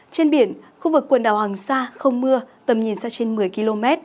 trên biển khu vực quần đảo hoàng sa không mưa tầm nhìn xa trên một mươi km